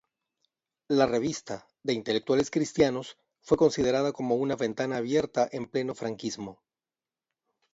La revista, de intelectuales cristianos, fue considerada como una ventana abierta en pleno franquismo.